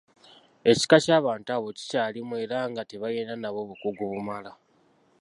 Ekika ky’abantu abo kikyalimu era nga tebalina nabo bukugu bumala.